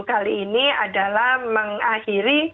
kali ini adalah mengakhiri